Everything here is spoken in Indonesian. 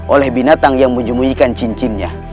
oleh binatang yang menyembunyikan cincinnya